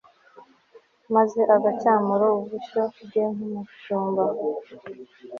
maze agacyamura ubushyo bwe nk'umushumba